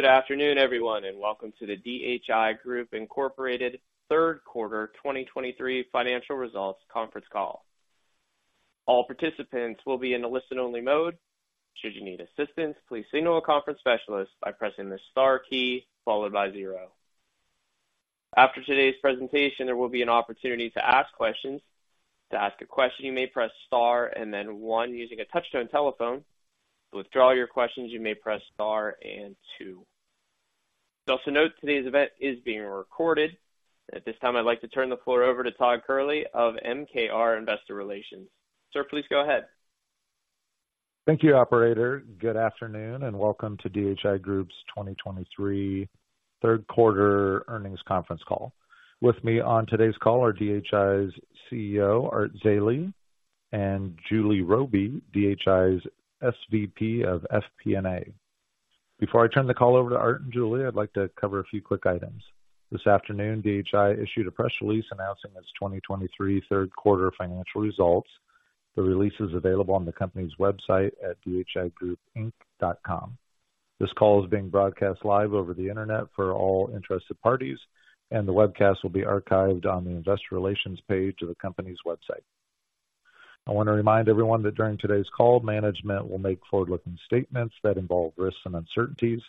Good afternoon, everyone, and welcome to the DHI Group Incorporated third quarter 2023 financial results conference call. All participants will be in a listen-only mode. Should you need assistance, please signal a conference specialist by pressing the star key followed by zero. After today's presentation, there will be an opportunity to ask questions. To ask a question, you may press star and then one using a touchtone telephone. To withdraw your questions, you may press star and two. Also note, today's event is being recorded. At this time, I'd like to turn the floor over to Todd Kehrli of MKR Investor Relations. Sir, please go ahead. Thank you, operator. Good afternoon, and welcome to DHI Group's 2023 third quarter earnings conference call. With me on today's call are DHI's CEO, Art Zeile, and Julie Roby, DHI's SVP of FP&A. Before I turn the call over to Art and Julie, I'd like to cover a few quick items. This afternoon, DHI issued a press release announcing its 2023 third quarter financial results. The release is available on the company's website at dhigroupinc.com. This call is being broadcast live over the Internet for all interested parties, and the webcast will be archived on the investor relations page of the company's website. I want to remind everyone that during today's call, management will make forward-looking statements that involve risks and uncertainties.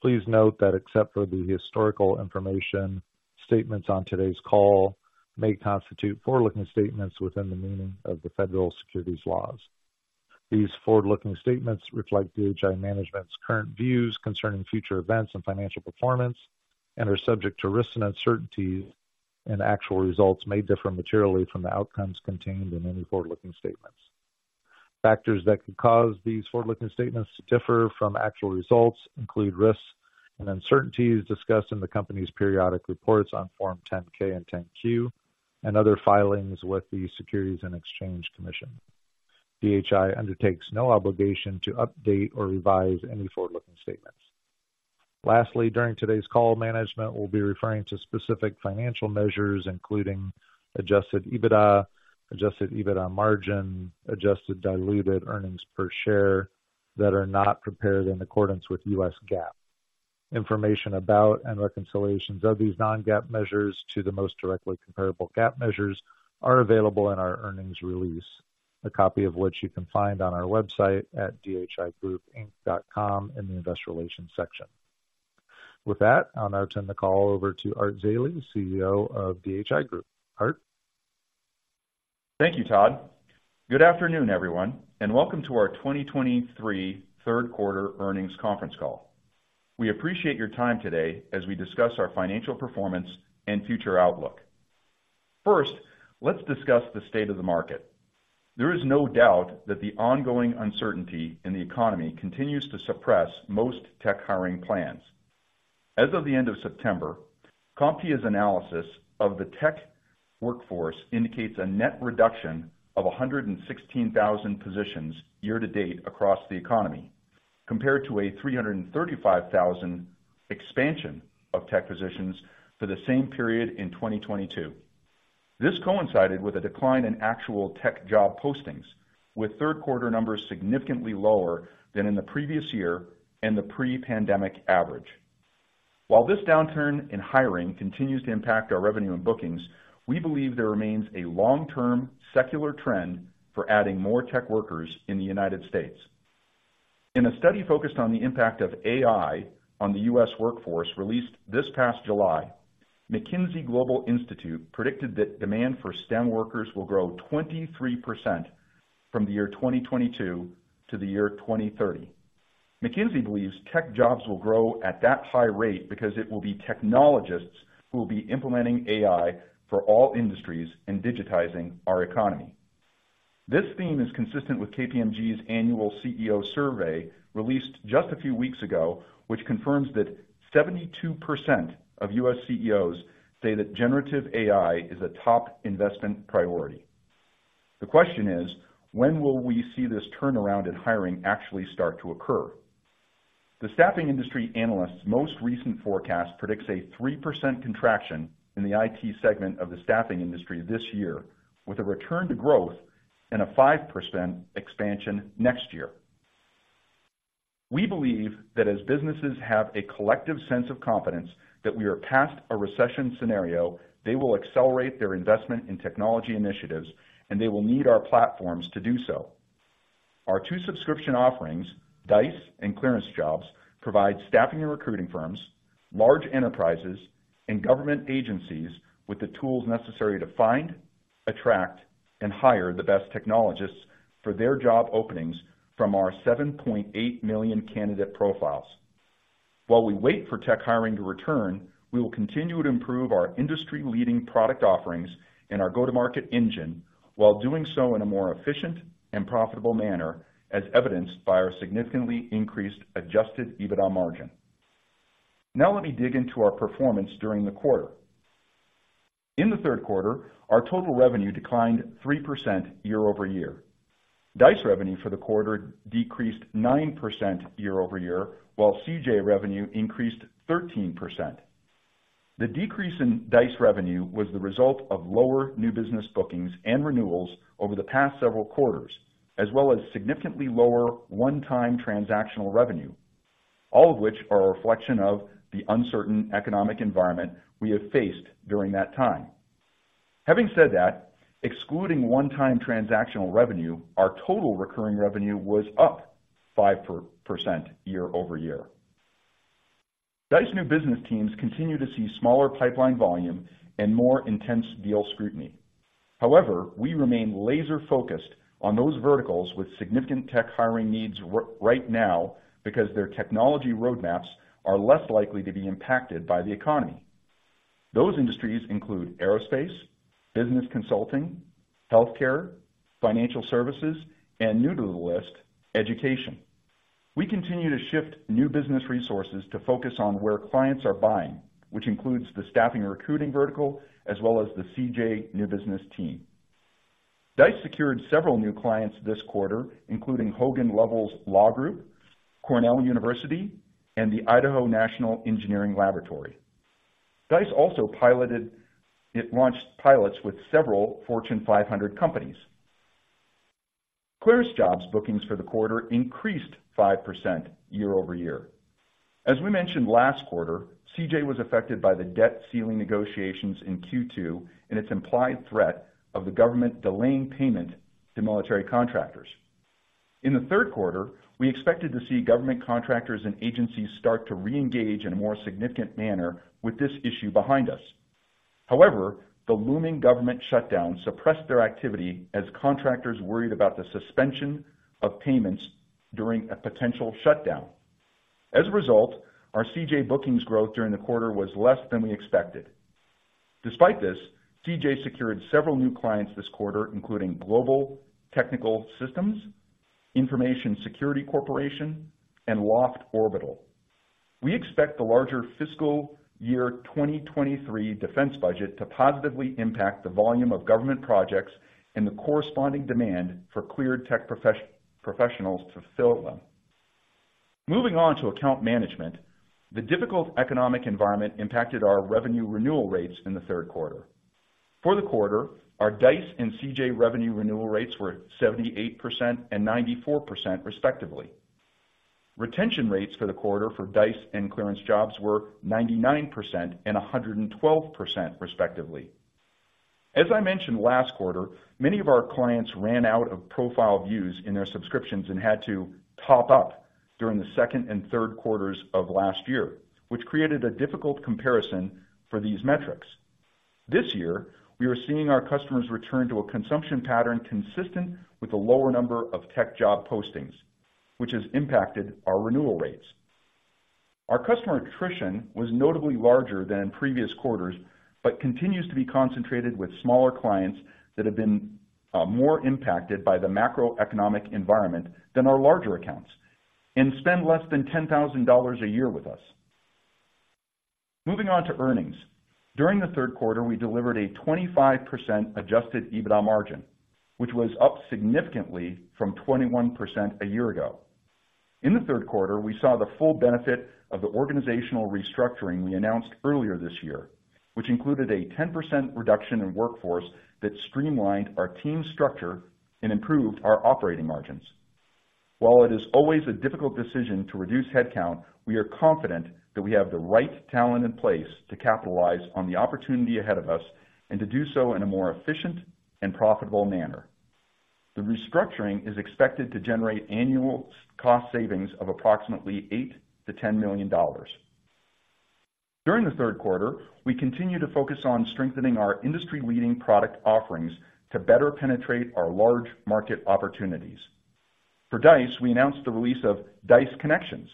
Please note that except for the historical information, statements on today's call may constitute forward-looking statements within the meaning of the federal securities laws. These forward-looking statements reflect DHI management's current views concerning future events and financial performance and are subject to risks and uncertainties, and actual results may differ materially from the outcomes contained in any forward-looking statements. Factors that could cause these forward-looking statements to differ from actual results include risks and uncertainties discussed in the company's periodic reports on Form 10-K and 10-Q and other filings with the Securities and Exchange Commission. DHI undertakes no obligation to update or revise any forward-looking statements. Lastly, during today's call, management will be referring to specific financial measures, including adjusted EBITDA, adjusted EBITDA margin, adjusted diluted earnings per share, that are not prepared in accordance with U.S. GAAP. Information about and reconciliations of these non-GAAP measures to the most directly comparable GAAP measures are available in our earnings release, a copy of which you can find on our website at dhigroupinc.com in the Investor Relations section. With that, I'll now turn the call over to Art Zeile, CEO of DHI Group. Art? Thank you, Todd. Good afternoon, everyone, and welcome to our 2023 third quarter earnings conference call. We appreciate your time today as we discuss our financial performance and future outlook. First, let's discuss the state of the market. There is no doubt that the ongoing uncertainty in the economy continues to suppress most tech hiring plans. As of the end of September, CompTIA's analysis of the tech workforce indicates a net reduction of 116,000 positions year-to-date across the economy, compared to a 335,000 expansion of tech positions for the same period in 2022. This coincided with a decline in actual tech job postings, with third quarter numbers significantly lower than in the previous year and the pre-pandemic average. While this downturn in hiring continues to impact our revenue and bookings, we believe there remains a long-term secular trend for adding more tech workers in the United States. In a study focused on the impact of AI on the U.S. workforce, released this past July, McKinsey Global Institute predicted that demand for STEM workers will grow 23% from the year 2022 to the year 2030. McKinsey believes tech jobs will grow at that high rate because it will be technologists who will be implementing AI for all industries and digitizing our economy. This theme is consistent with KPMG's annual CEO survey, released just a few weeks ago, which confirms that 72% of U.S. CEOs say that generative AI is a top investment priority. The question is: When will we see this turnaround in hiring actually start to occur? The Staffing Industry Analysts' most recent forecast predicts a 3% contraction in the IT segment of the staffing industry this year, with a return to growth and a 5% expansion next year. We believe that as businesses have a collective sense of confidence that we are past a recession scenario, they will accelerate their investment in technology initiatives, and they will need our platforms to do so. Our two subscription offerings, Dice and ClearanceJobs, provide staffing and recruiting firms, large enterprises, and government agencies with the tools necessary to find, attract, and hire the best technologists for their job openings from our 7.8 million candidate profiles. While we wait for tech hiring to return, we will continue to improve our industry-leading product offerings and our go-to-market engine while doing so in a more efficient and profitable manner, as evidenced by our significantly increased adjusted EBITDA margin. Now let me dig into our performance during the quarter. In the third quarter, our total revenue declined 3% year-over-year. Dice revenue for the quarter decreased 9% year-over-year, while CJ revenue increased 13%. The decrease in Dice revenue was the result of lower new business bookings and renewals over the past several quarters, as well as significantly lower one-time transactional revenue, all of which are a reflection of the uncertain economic environment we have faced during that time. Having said that, excluding one-time transactional revenue, our total recurring revenue was up 5% year-over-year. Dice new business teams continue to see smaller pipeline volume and more intense deal scrutiny. However, we remain laser-focused on those verticals with significant tech hiring needs right now, because their technology roadmaps are less likely to be impacted by the economy. Those industries include aerospace, business consulting, healthcare, financial services, and new to the list, education. We continue to shift new business resources to focus on where clients are buying, which includes the staffing and recruiting vertical, as well as the CJ new business team. Dice secured several new clients this quarter, including Hogan Lovells, Cornell University, and the Idaho National Laboratory. Dice also launched pilots with several Fortune 500 companies. ClearanceJobs bookings for the quarter increased 5% year-over-year. As we mentioned last quarter, CJ was affected by the debt ceiling negotiations in Q2 and its implied threat of the government delaying payment to military contractors. In the third quarter, we expected to see government contractors and agencies start to reengage in a more significant manner with this issue behind us. However, the looming government shutdown suppressed their activity as contractors worried about the suspension of payments during a potential shutdown. As a result, our CJ bookings growth during the quarter was less than we expected. Despite this, CJ secured several new clients this quarter, including Global Technical Systems, Information Security Corporation, and Loft Orbital. We expect the larger fiscal year 2023 defense budget to positively impact the volume of government projects and the corresponding demand for cleared tech professionals to fill them. Moving on to account management. The difficult economic environment impacted our revenue renewal rates in the third quarter. For the quarter, our Dice and CJ revenue renewal rates were 78% and 94%, respectively. Retention rates for the quarter for Dice and ClearanceJobs were 99% and 112%, respectively. As I mentioned last quarter, many of our clients ran out of profile views in their subscriptions and had to top up during the second and third quarters of last year, which created a difficult comparison for these metrics. This year, we are seeing our customers return to a consumption pattern consistent with a lower number of tech job postings, which has impacted our renewal rates. Our customer attrition was notably larger than in previous quarters, but continues to be concentrated with smaller clients that have been more impacted by the macroeconomic environment than our larger accounts, and spend less than $10,000 a year with us. Moving on to earnings. During the third quarter, we delivered a 25% adjusted EBITDA margin, which was up significantly from 21% a year ago. In the third quarter, we saw the full benefit of the organizational restructuring we announced earlier this year, which included a 10% reduction in workforce that streamlined our team structure and improved our operating margins. While it is always a difficult decision to reduce headcount, we are confident that we have the right talent in place to capitalize on the opportunity ahead of us and to do so in a more efficient and profitable manner. The restructuring is expected to generate annual cost savings of approximately $8 million-$10 million. During the third quarter, we continued to focus on strengthening our industry-leading product offerings to better penetrate our large market opportunities. For Dice, we announced the release of Dice Connections.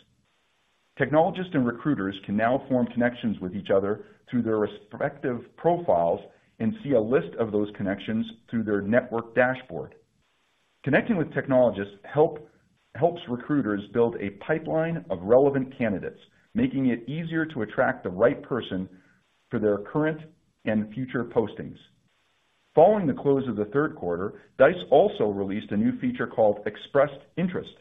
Technologists and recruiters can now form connections with each other through their respective profiles and see a list of those connections through their network dashboard. Connecting with technologists helps recruiters build a pipeline of relevant candidates, making it easier to attract the right person for their current and future postings. Following the close of the third quarter, Dice also released a new feature called Expressed Interest.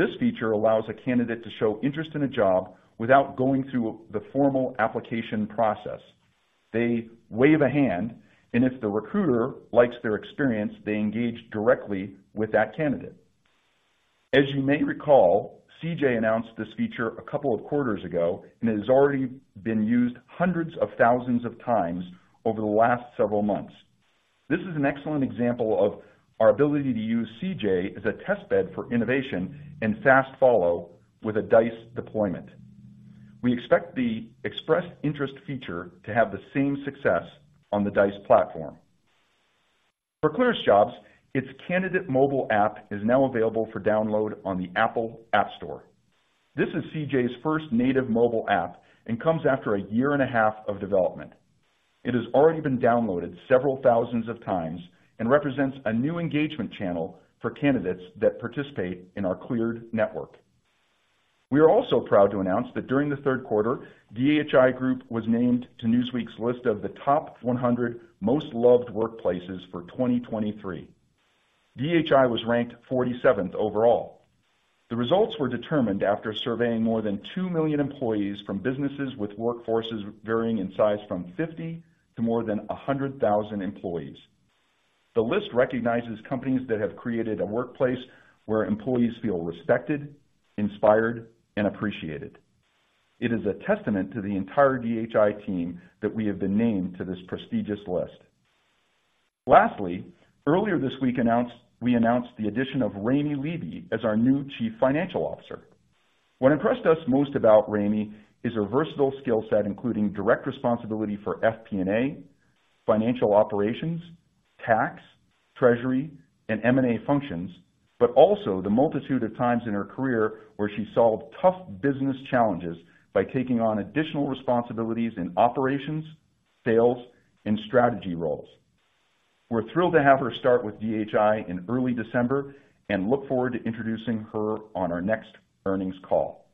This feature allows a candidate to show interest in a job without going through the formal application process. They wave a hand, and if the recruiter likes their experience, they engage directly with that candidate. As you may recall, CJ announced this feature a couple of quarters ago, and it has already been used hundreds of thousands of times over the last several months. This is an excellent example of our ability to use CJ as a test bed for innovation and fast follow with a Dice deployment. We expect the Expressed Interest feature to have the same success on the Dice platform. For ClearanceJobs, its candidate mobile app is now available for download on the Apple App Store. This is CJ's first native mobile app and comes after a year and a half of development. It has already been downloaded several thousands of times and represents a new engagement channel for candidates that participate in our Clearance network. We are also proud to announce that during the third quarter, DHI Group was named to Newsweek's list of the top 100 Most Loved Workplaces for 2023. DHI was ranked 47th overall. The results were determined after surveying more than 2 million employees from businesses with workforces varying in size from 50 to more than 100,000 employees. The list recognizes companies that have created a workplace where employees feel respected, inspired, and appreciated. It is a testament to the entire DHI team that we have been named to this prestigious list. Lastly, earlier this week we announced the addition of Raime Leeby as our new Chief Financial Officer. What impressed us most about Raime is her versatile skill set, including direct responsibility for FP&A, financial operations, tax, treasury, and M&A functions, but also the multitude of times in her career where she solved tough business challenges by taking on additional responsibilities in operations, sales, and strategy roles. We're thrilled to have her start with DHI in early December, and look forward to introducing her on our next earnings call.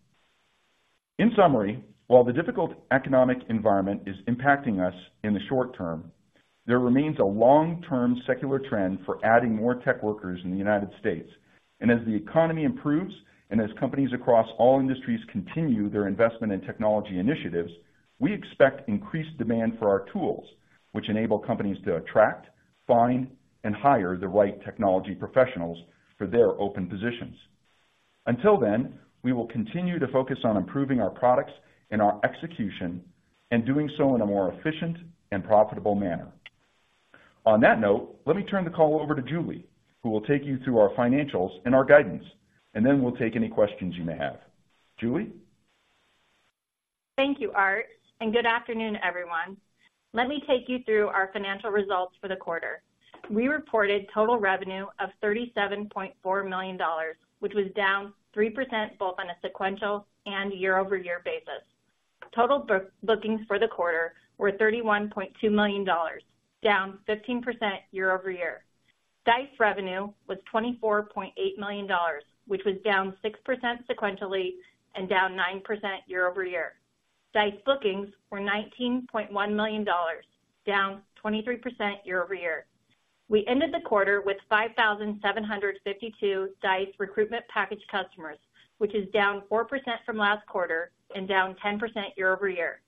In summary, while the difficult economic environment is impacting us in the short term, there remains a long-term secular trend for adding more tech workers in the United States. As the economy improves, and as companies across all industries continue their investment in technology initiatives, we expect increased demand for our tools, which enable companies to attract, find, and hire the right technology professionals for their open positions. Until then, we will continue to focus on improving our products and our execution, and doing so in a more efficient and profitable manner. On that note, let me turn the call over to Julie, who will take you through our financials and our guidance, and then we'll take any questions you may have. Julie? Thank you, Art, and good afternoon, everyone. Let me take you through our financial results for the quarter. We reported total revenue of $37.4 million, which was down 3% both on a sequential and year-over-year basis. Total bookings for the quarter were $31.2 million, down 15% year-over-year. Dice revenue was $24.8 million, which was down 6% sequentially and down 9% year-over-year. Dice bookings were $19.1 million, down 23% year-over-year. We ended the quarter with 5,752 Dice recruitment package customers, which is down 4% from last quarter and down 10% year-over-year.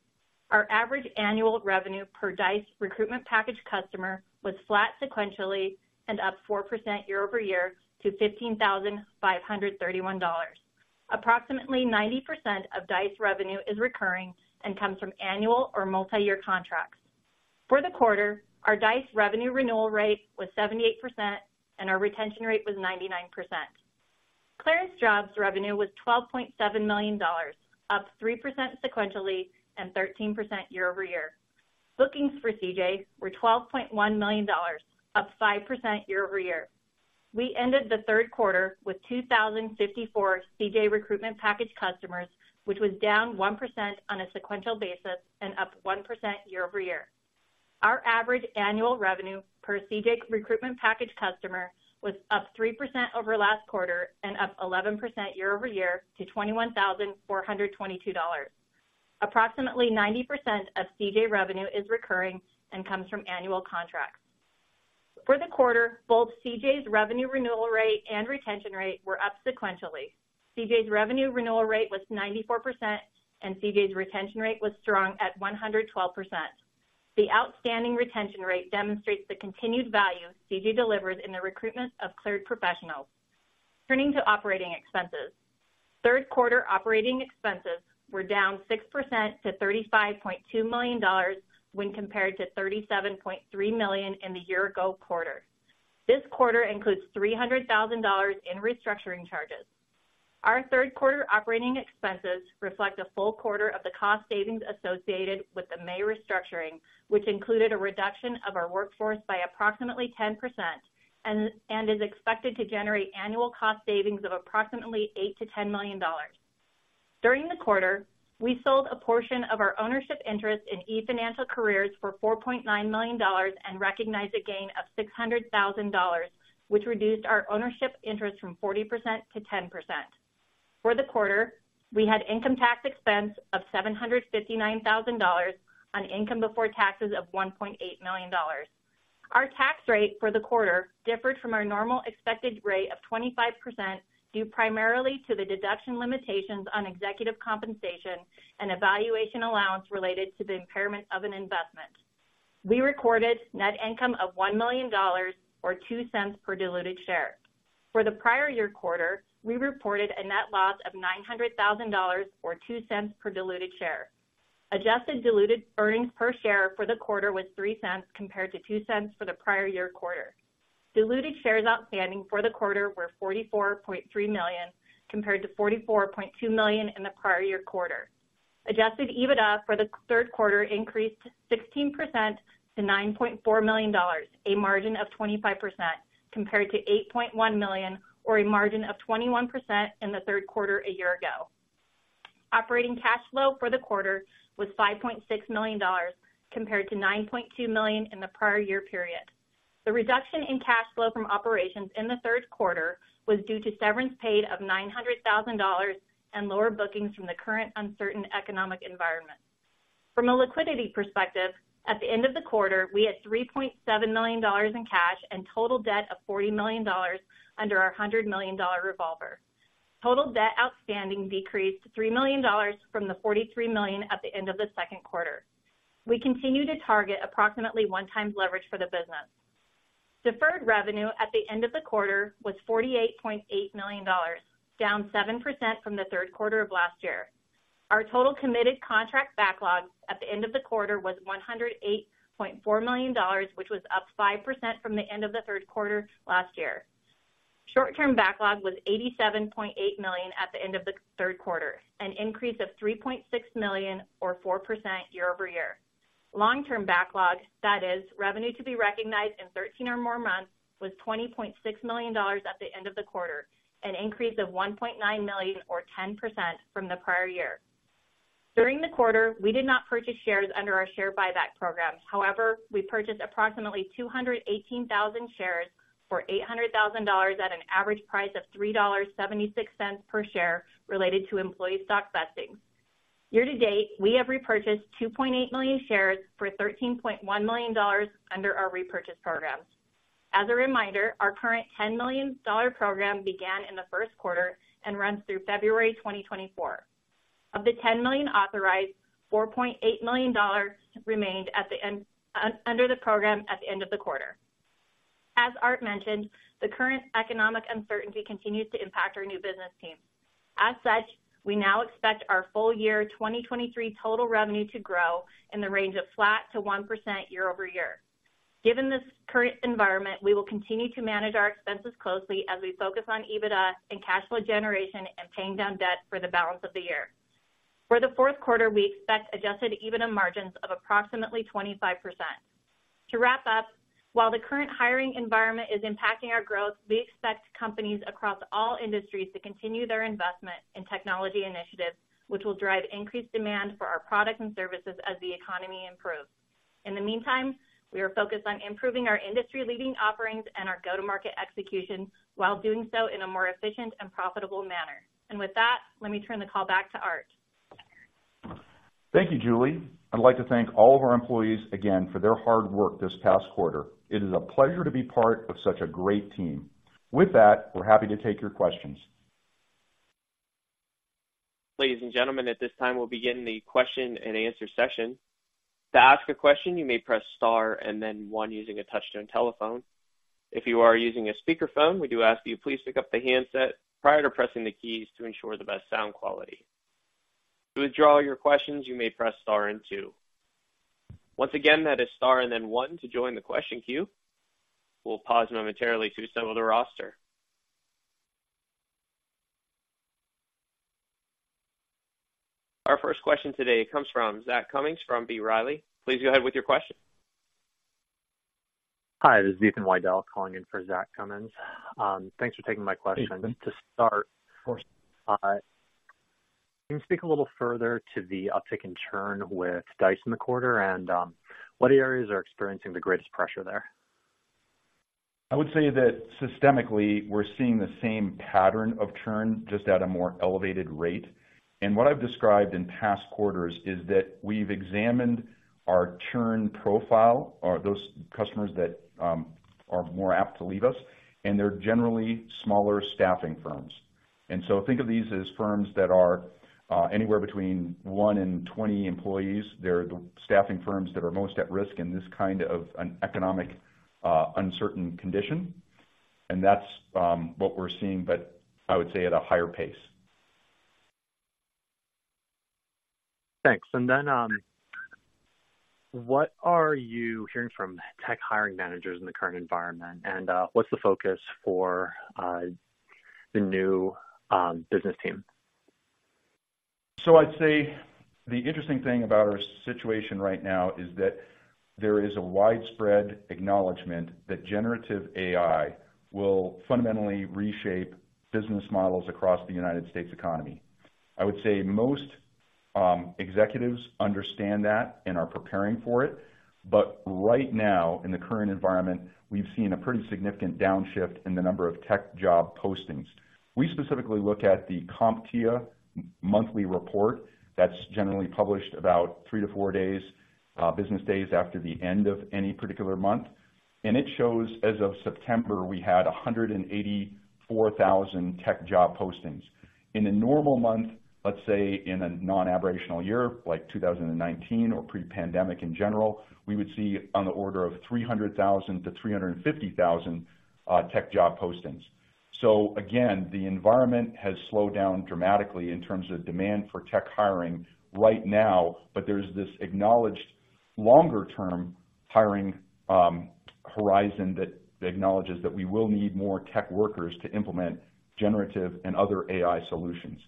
Our average annual revenue per Dice recruitment package customer was flat sequentially and up 4% year-over-year to $15,531. Approximately 90% of Dice revenue is recurring and comes from annual or multiyear contracts. For the quarter, our Dice revenue renewal rate was 78% and our retention rate was 99%. ClearanceJobs revenue was $12.7 million, up 3% sequentially and 13% year-over-year. Bookings for CJ were $12.1 million, up 5% year-over-year. We ended the third quarter with 2,054 CJ recruitment package customers, which was down 1% on a sequential basis and up 1% year-over-year. Our average annual revenue per CJ recruitment package customer was up 3% over last quarter and up 11% year-over-year to $21,422. Approximately 90% of CJ revenue is recurring and comes from annual contracts. For the quarter, both CJ's revenue renewal rate and retention rate were up sequentially. CJ's revenue renewal rate was 94%, and CJ's retention rate was strong at 112%. The outstanding retention rate demonstrates the continued value CJ delivers in the recruitment of cleared professionals. Turning to operating expenses. Third quarter operating expenses were down 6% to $35.2 million when compared to $37.3 million in the year-ago quarter. This quarter includes $300,000 in restructuring charges. Our third quarter operating expenses reflect a full quarter of the cost savings associated with the May restructuring, which included a reduction of our workforce by approximately 10%, and is expected to generate annual cost savings of approximately $8 million-$10 million. During the quarter, we sold a portion of our ownership interest in eFinancialCareers for $4.9 million and recognized a gain of $600,000, which reduced our ownership interest from 40% to 10%. For the quarter, we had income tax expense of $759,000 on income before taxes of $1.8 million. Our tax rate for the quarter differed from our normal expected rate of 25%, due primarily to the deduction limitations on executive compensation and a valuation allowance related to the impairment of an investment. We recorded net income of $1 million or $0.02 per diluted share. For the prior-year quarter, we reported a net loss of $900,000 or $0.02 per diluted share. Adjusted diluted earnings per share for the quarter was $0.03 compared to $0.02 for the prior-year quarter. Diluted shares outstanding for the quarter were 44.3 million, compared to 44.2 million in the prior-year quarter. Adjusted EBITDA for the third quarter increased 16% to $9.4 million, a margin of 25%, compared to $8.1 million or a margin of 21% in the third quarter a year ago. Operating cash flow for the quarter was $5.6 million, compared to $9.2 million in the prior-year period. The reduction in cash flow from operations in the third quarter was due to severance paid of $900,000 and lower bookings from the current uncertain economic environment. From a liquidity perspective, at the end of the quarter, we had $3.7 million in cash and total debt of $40 million under our $100 million revolver. Total debt outstanding decreased to $3 million from the $43 million at the end of the second quarter. We continue to target approximately 1x leverage for the business. Deferred revenue at the end of the quarter was $48.8 million, down 7% from the third quarter of last year. Our total committed contract backlog at the end of the quarter was $108.4 million, which was up 5% from the end of the third quarter last year. Short-term backlog was $87.8 million at the end of the third quarter, an increase of $3.6 million or 4% year-over-year. Long-term backlog, that is, revenue to be recognized in 13 or more months, was $20.6 million at the end of the quarter, an increase of $1.9 million or 10% from the prior year. During the quarter, we did not purchase shares under our share buyback program. However, we purchased approximately 218,000 shares for $800,000 at an average price of $3.76 per share related to employee stock vesting. Year-to-date, we have repurchased 2.8 million shares for $13.1 million under our repurchase program. As a reminder, our current $10 million program began in the first quarter and runs through February 2024. Of the $10 million authorized, $4.8 million remained at the end under the program at the end of the quarter. As Art mentioned, the current economic uncertainty continues to impact our new business team. As such, we now expect our full-year 2023 total revenue to grow in the range of flat to 1% year-over-year. Given this current environment, we will continue to manage our expenses closely as we focus on EBITDA and cash flow generation and paying down debt for the balance of the year. For the fourth quarter, we expect adjusted EBITDA margins of approximately 25%. To wrap up, while the current hiring environment is impacting our growth, we expect companies across all industries to continue their investment in technology initiatives, which will drive increased demand for our products and services as the economy improves. In the meantime, we are focused on improving our industry-leading offerings and our go-to-market execution, while doing so in a more efficient and profitable manner. With that, let me turn the call back to Art. Thank you, Julie. I'd like to thank all of our employees again for their hard work this past quarter. It is a pleasure to be part of such a great team. With that, we're happy to take your questions. Ladies and gentlemen, at this time, we'll begin the question-and-answer session. To ask a question, you may press star and then one using a touchtone telephone. If you are using a speakerphone, we do ask that you please pick up the handset prior to pressing the keys to ensure the best sound quality. To withdraw your questions, you may press star and two. Once again, that is star and then one to join the question queue. We'll pause momentarily to assemble the roster. Our first question today comes from Zach Cummins from B. Riley. Please go ahead with your question. Hi, this is Ethan Widell calling in for Zach Cummins. Thanks for taking my question. Thank you. To start— Of course. Can you speak a little further to the uptick in churn with Dice in the quarter, and what areas are experiencing the greatest pressure there? I would say that systemically, we're seeing the same pattern of churn, just at a more elevated rate. And what I've described in past quarters is that we've examined our churn profile or those customers that are more apt to leave us, and they're generally smaller staffing firms. And so think of these as firms that are anywhere between one and twenty employees. They're the staffing firms that are most at risk in this kind of an economic uncertain condition, and that's what we're seeing, but I would say at a higher pace. Thanks. And then, what are you hearing from tech hiring managers in the current environment? And, what's the focus for, the new, business team? So I'd say the interesting thing about our situation right now is that there is a widespread acknowledgment that generative AI will fundamentally reshape business models across the United States economy. I would say most, executives understand that and are preparing for it. But right now, in the current environment, we've seen a pretty significant downshift in the number of tech job postings. We specifically look at the CompTIA monthly report that's generally published about three to four days, business days after the end of any particular month. And it shows, as of September, we had 184,000 tech job postings. In a normal month, let's say in a non-aberrational year, like 2019 or pre-pandemic in general, we would see on the order of 300,000-350,000, tech job postings. So again, the environment has slowed down dramatically in terms of demand for tech hiring right now, but there's this acknowledged longer-term hiring horizon that acknowledges that we will need more tech workers to implement generative and other AI solutions.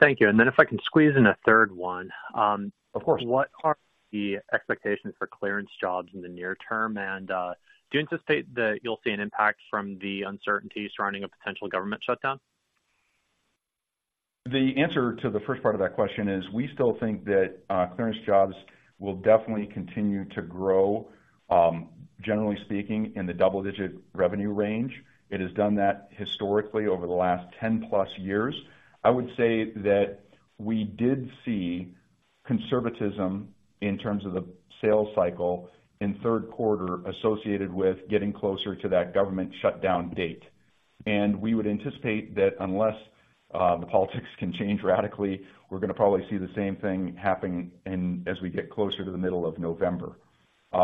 Thank you. And then if I can squeeze in a third one. Of course. What are the expectations for ClearanceJobs in the near term? And, do you anticipate that you'll see an impact from the uncertainty surrounding a potential government shutdown? The answer to the first part of that question is, we still think that ClearanceJobs will definitely continue to grow, generally speaking, in the double-digit revenue range. It has done that historically over the last 10+ years. I would say that we did see conservatism in terms of the sales cycle in third quarter associated with getting closer to that government shutdown date. We would anticipate that unless the politics can change radically, we're going to probably see the same thing happening as we get closer to the middle of November.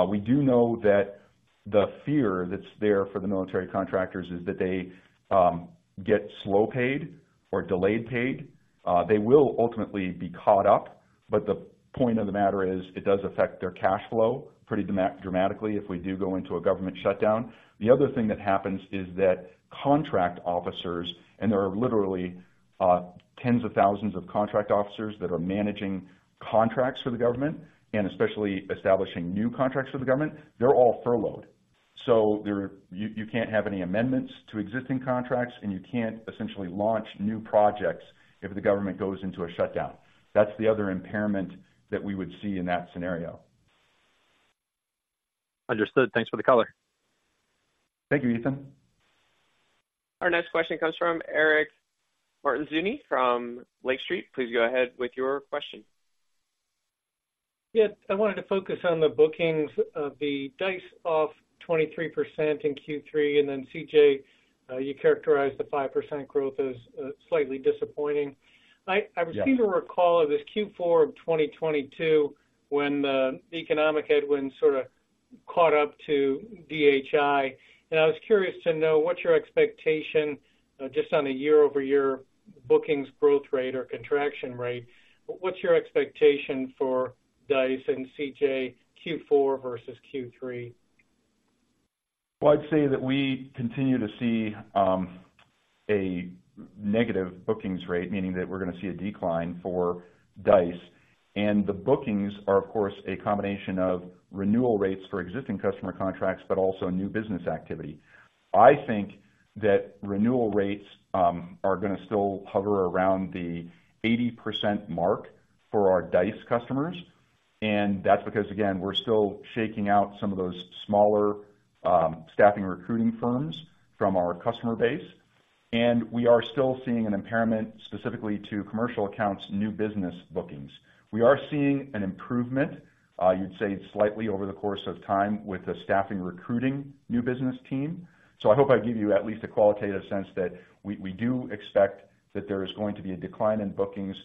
We do know that the fear that's there for the military contractors is that they get slow paid or delayed paid. They will ultimately be caught up, but the point of the matter is, it does affect their cash flow pretty dramatically if we do go into a government shutdown. The other thing that happens is that contract officers, and there are literally tens of thousands of contract officers that are managing contracts for the government, and especially establishing new contracts for the government, they're all furloughed. So you can't have any amendments to existing contracts, and you can't essentially launch new projects if the government goes into a shutdown. That's the other impairment that we would see in that scenario. Understood. Thanks for the color. Thank you, Ethan. Our next question comes from Eric Martinuzzi from Lake Street. Please go ahead with your question. Yeah. I wanted to focus on the bookings of the Dice off 23% in Q3, and then CJ, you characterized the 5% growth as, slightly disappointing. Yeah. I seem to recall this Q4 of 2022, when the economic headwinds sort of caught up to DHI. I was curious to know, what's your expectation, just on a year-over-year bookings growth rate or contraction rate, what's your expectation for Dice and CJ Q4 versus Q3? Well, I'd say that we continue to see a negative bookings rate, meaning that we're going to see a decline for Dice. And the bookings are, of course, a combination of renewal rates for existing customer contracts, but also new business activity. I think that renewal rates are going to still hover around the 80% mark for our Dice customers, and that's because, again, we're still shaking out some of those smaller staffing recruiting firms from our customer base. And we are still seeing an impairment specifically to commercial accounts, new business bookings. We are seeing an improvement, you'd say, slightly over the course of time with the staffing recruiting new business team. So I hope I give you at least a qualitative sense that we, we do expect that there is going to be a decline in bookings,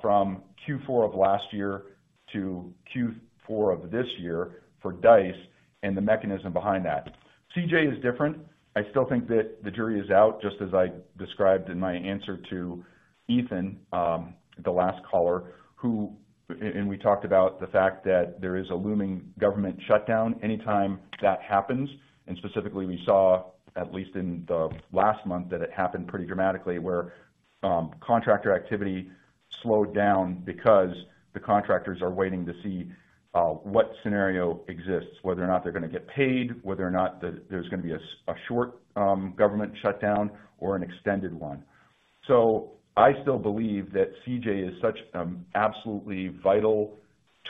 from Q4 of last year to Q4 of this year for Dice and the mechanism behind that. CJ is different. I still think that the jury is out, just as I described in my answer to Ethan, the last caller, and we talked about the fact that there is a looming government shutdown. Anytime that happens, and specifically, we saw, at least in the last month, that it happened pretty dramatically, where, contractor activity slowed down because the contractors are waiting to see, what scenario exists, whether or not they're going to get paid, whether or not there's going to be a short, government shutdown or an extended one. I still believe that CJ is such absolutely vital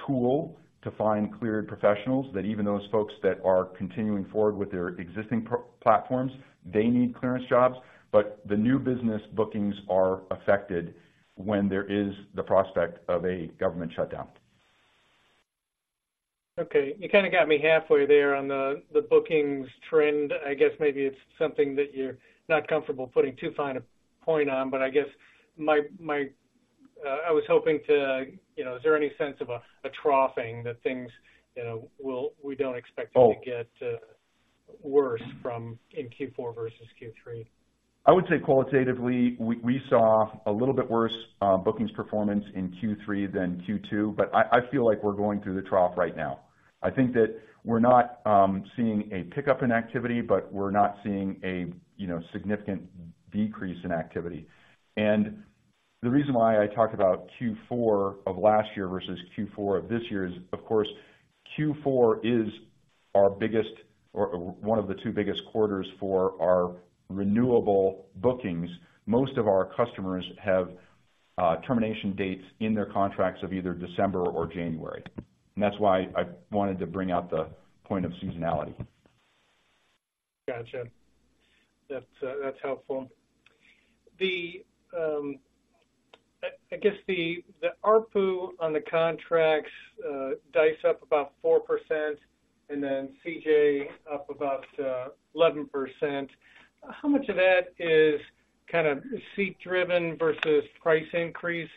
tool to find cleared professionals, that even those folks that are continuing forward with their existing platforms, they need ClearanceJobs, but the new business bookings are affected when there is the prospect of a government shutdown. Okay, you kind of got me halfway there on the bookings trend. I guess maybe it's something that you're not comfortable putting too fine a point on, but I guess I was hoping to—you know, is there any sense of a troughing, that things, you know, will—we don't expect— Oh. It to get worse from in Q4 versus Q3? I would say qualitatively, we saw a little bit worse bookings performance in Q3 than Q2, but I feel like we're going through the trough right now. I think that we're not seeing a pickup in activity, but we're not seeing a, you know, significant decrease in activity. And the reason why I talked about Q4 of last year versus Q4 of this year is, of course, Q4 is our biggest or one of the two biggest quarters for our renewable bookings. Most of our customers have termination dates in their contracts of either December or January. And that's why I wanted to bring out the point of seasonality. Gotcha. That's, that's helpful. I guess the ARPU on the contracts, Dice up about 4% and then CJ up about 11%. How much of that is kind of seat driven versus price increase?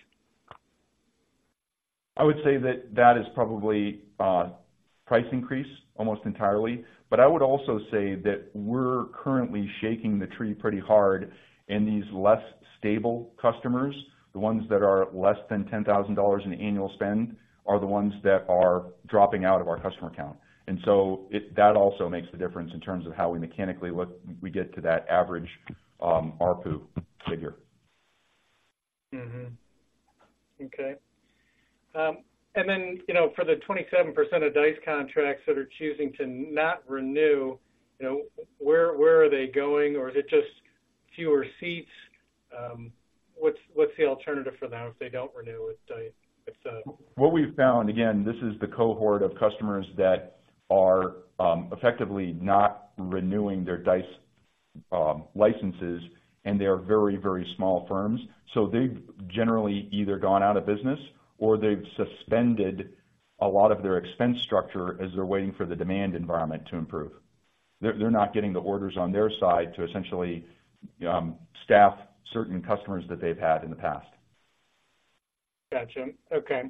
I would say that that is probably price increase almost entirely. But I would also say that we're currently shaking the tree pretty hard in these less stable customers. The ones that are less than $10,000 in annual spend are the ones that are dropping out of our customer count. And so it—that also makes a difference in terms of how we mechanically look, we get to that average, ARPU figure. Okay. And then, you know, for the 27% of Dice contracts that are choosing to not renew, you know, where are they going? Or is it just fewer seats? What's the alternative for them if they don't renew with Dice? If— What we've found, again, this is the cohort of customers that are effectively not renewing their Dice licenses, and they are very, very small firms. So they've generally either gone out of business or they've suspended a lot of their expense structure as they're waiting for the demand environment to improve. They're not getting the orders on their side to essentially staff certain customers that they've had in the past. Gotcha. Okay.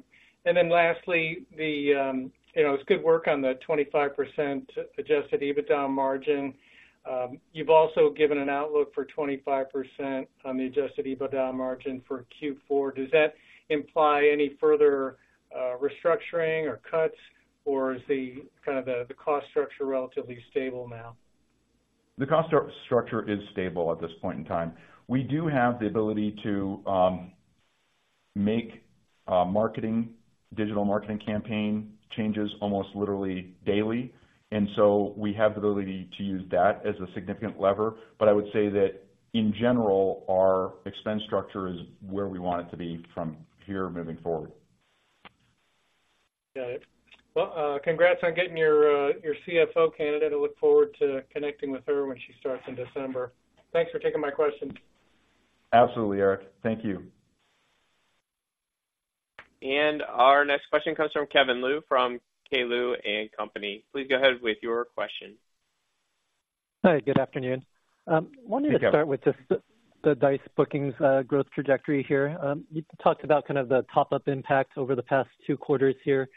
And then lastly, the, you know, it's good work on the 25% adjusted EBITDA margin. You've also given an outlook for 25% on the adjusted EBITDA margin for Q4. Does that imply any further restructuring or cuts, or is the kind of the cost structure relatively stable now? The cost structure is stable at this point in time. We do have the ability to make marketing, digital marketing campaign changes almost literally daily, and so we have the ability to use that as a significant lever. But I would say that in general, our expense structure is where we want it to be from here moving forward. Got it. Well, congrats on getting your, your CFO candidate. I look forward to connecting with her when she starts in December. Thanks for taking my question. Absolutely, Eric. Thank you. Our next question comes from Kevin Liu, from K. Liu & Company. Please go ahead with your question. Hi, good afternoon. Hey, Kevin. To start with just the Dice bookings, growth trajectory here. You talked about kind of the top-up impact over the past two quarters here.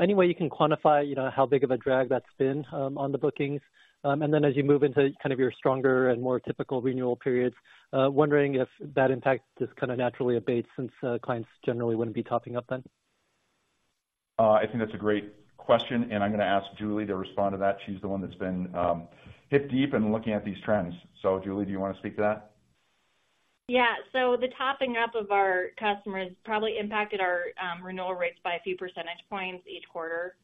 Any way you can quantify, you know, how big of a drag that's been, on the bookings? And then as you move into kind of your stronger and more typical renewal periods, wondering if that impact just kind of naturally abates since, clients generally wouldn't be topping up then. I think that's a great question, and I'm gonna ask Julie to respond to that. She's the one that's been hip-deep in looking at these trends. So, Julie, do you want to speak to that? Yeah. So the topping up of our customers probably impacted our renewal rates by a few percentage points each quarter.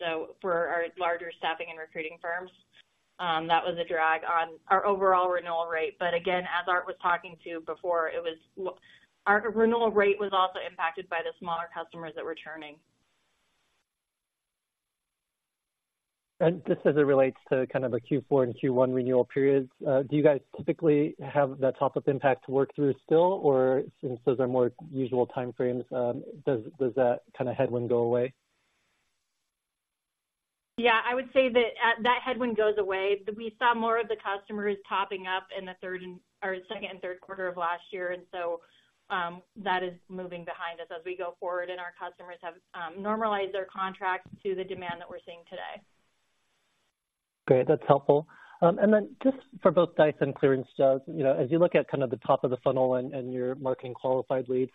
So for our larger staffing and recruiting firms, that was a drag on our overall renewal rate. But again, as Art was talking to before, it was our renewal rate was also impacted by the smaller customers that were churning. Just as it relates to kind of the Q4 and Q1 renewal periods, do you guys typically have that top-up impact to work through still? Or since those are more usual time frames, does that kind of headwind go away? Yeah, I would say that headwind goes away. We saw more of the customers topping up in the third and—or second and third quarter of last year, and so that is moving behind us as we go forward, and our customers have normalized their contracts to the demand that we're seeing today. Great, that's helpful. And then just for both Dice and ClearanceJobs, you know, as you look at kind of the top of the funnel and your marketing qualified leads,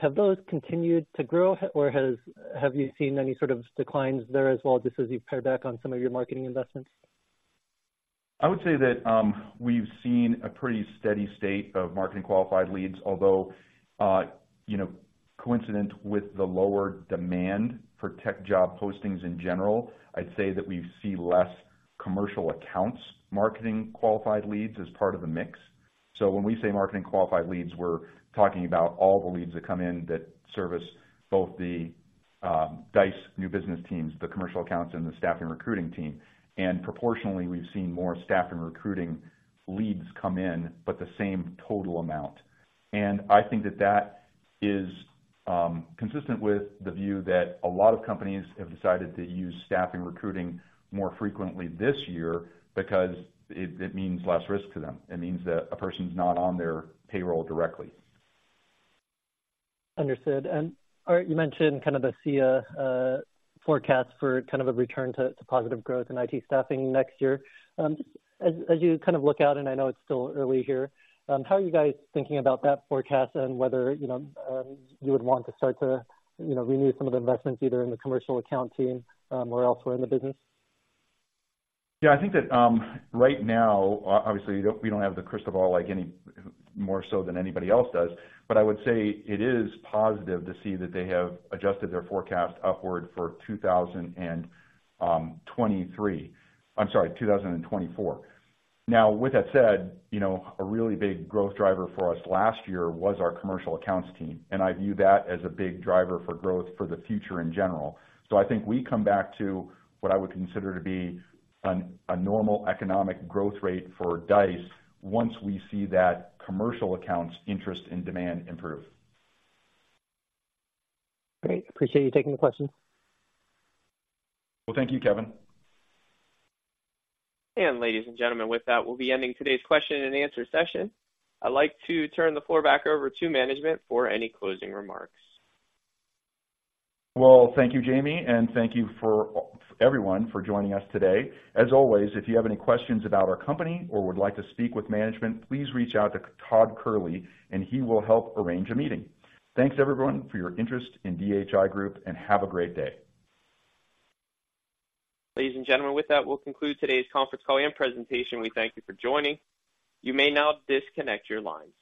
have those continued to grow, or have you seen any sort of declines there as well, just as you pare back on some of your marketing investments? I would say that we've seen a pretty steady state of marketing qualified leads, although, you know, coincident with the lower demand for tech job postings in general, I'd say that we see less commercial accounts marketing qualified leads as part of the mix. So when we say marketing qualified leads, we're talking about all the leads that come in that service both the Dice new business teams, the commercial accounts, and the staff and recruiting team. And proportionally, we've seen more staff and recruiting leads come in, but the same total amount. And I think that that is consistent with the view that a lot of companies have decided to use staffing recruiting more frequently this year because it means less risk to them. It means that a person's not on their payroll directly. Understood. Art, you mentioned kind of the SIA forecast for kind of a return to positive growth in IT staffing next year. Just as you kind of look out, and I know it's still early here, how are you guys thinking about that forecast and whether, you know, you would want to start to, you know, renew some of the investments, either in the commercial account team or elsewhere in the business? Yeah, I think that, right now, obviously, we don't, we don't have the crystal ball like anybody more so than anybody else does, but I would say it is positive to see that they have adjusted their forecast upward for 2023. I'm sorry, 2024. Now, with that said, you know, a really big growth driver for us last year was our commercial accounts team, and I view that as a big driver for growth for the future in general. So I think we come back to what I would consider to be a normal economic growth rate for Dice once we see that commercial accounts interest and demand improve. Great. Appreciate you taking the question. Well, thank you, Kevin. Ladies and gentlemen, with that, we'll be ending today's question and answer session. I'd like to turn the floor back over to management for any closing remarks. Well, thank you, Jamie, and thank you for everyone for joining us today. As always, if you have any questions about our company or would like to speak with management, please reach out to Todd Kehrli, and he will help arrange a meeting. Thanks, everyone, for your interest in DHI Group, and have a great day. Ladies and gentlemen, with that, we'll conclude today's conference call and presentation. We thank you for joining. You may now disconnect your lines.